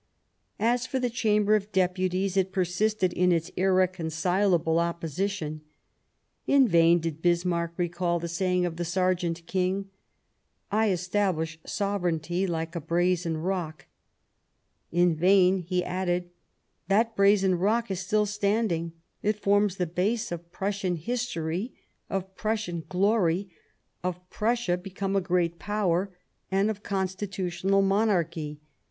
As for the Chamber of Deputies, it persisted in its irreconcilable opposition. In vain did Bismarck recall the saying of the Sergeant King : "I estab lish sovereignty like a brazen rock "; in vain he added :" That brazen rock is still standing ; it forms the base of Prussian history, of Prussian glory, of Prussia become a great Power, and of 69 Bismarck Constitutional Monarchy.